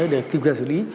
để kiểm kiểm xử lý